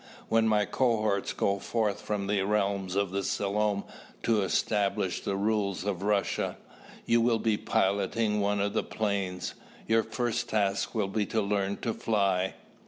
When my cohorts go forth from the realms of the Selom to establish the rule of Russia, you will be piloting one of the planes. Your first task will be to learn to fly."